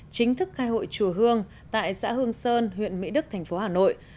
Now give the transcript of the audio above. chính thức khai hội chùa hương tại xã hương sơn huyện mỹ đức thành phố hà nội